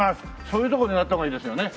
そういうとこ狙った方がいいですよね。